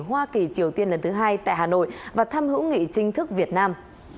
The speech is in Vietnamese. hoa kỳ triều tiên lần thứ hai tại hà nội và thăm hữu nghị chính thức việt nam